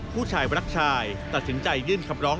ผู้ชายรักชายตัดสินใจยื่นคำร้อง